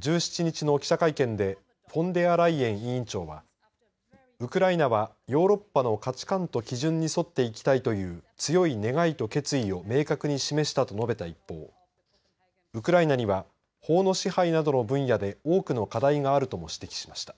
１７日の記者会見でフォンデアライエン委員長はウクライナはヨーロッパの価値観と基準に沿っていきたいという強い願いと決意を明確に示したと述べた一方ウクライナには法の支配などの分野で多くの課題があるとも指摘しました。